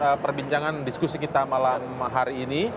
kita perbincangan diskusi kita malam hari ini